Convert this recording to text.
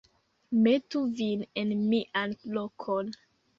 metu vin en mian lokon.